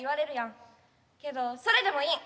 けどそれでもいいん。